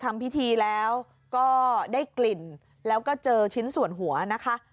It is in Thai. ทำพิธีแล้วก็ได้กลิ่นแล้วก็เจอชิ้นส่วนหัวนะคะ